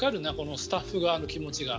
スタッフ側の気持ちが。